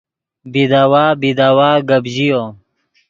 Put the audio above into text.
بیداوا بیداوا گپ ژیو